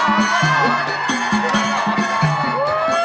เฮ้ยยย